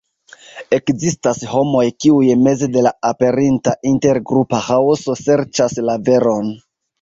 Ekzistas homoj, kiuj meze de la aperinta intergrupa ĥaoso serĉas la veron.